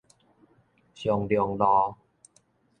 松隆路